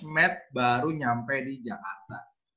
mat baru nyampe di jakarta